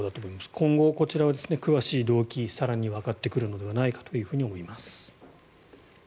今後、こちらは詳しい動機更にわかってくるのではないかと思います。